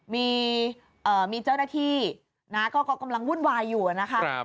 มีเจ้าหน้าที่นะก็กำลังวุ่นวายอยู่นะคะ